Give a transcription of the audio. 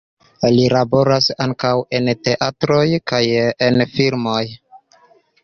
Li laboras ankaŭ en teatroj kaj en filmoj.